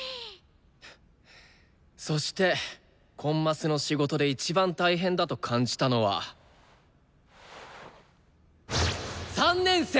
そしてコンマスの仕事でいちばん大変だと感じたのは３年生！